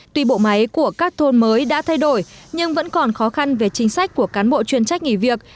tuy bộ máy của các thôn mới đã thay đổi nhưng vẫn còn khó khăn về chính sách của cán bộ chuyên trách nghỉ việc